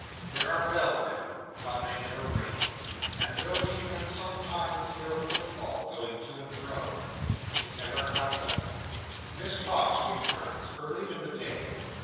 There are bells there, but they never ring; and though she can sometimes hear a footfall going to and fro, it never comes out. Miss Tox returns early in the day.